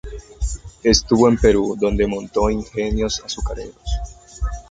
Estuvo en Perú donde montó ingenios azucareros.